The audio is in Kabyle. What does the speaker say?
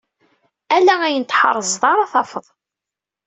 Ala ayen tḥerzeḍ ara tafeḍ.